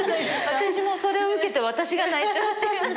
私もそれを受けて私が泣いちゃう。